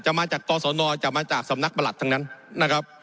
มาจากกศนจะมาจากสำนักประหลัดทั้งนั้นนะครับ